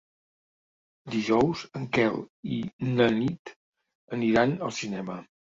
Dijous en Quel i na Nit aniran al cinema.